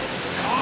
あ！